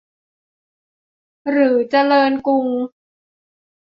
หรือเจริญกรุง